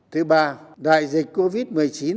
thứ ba đại dịch covid một mươi chín